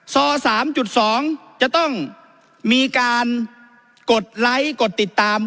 ซอ๓๒จะต้องมีการกดไลค์กดติดตาม